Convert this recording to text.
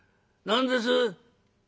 何です